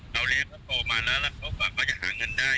เราเรียกเขาโตมาแล้วแล้วก็เขาก็จะหาเงินได้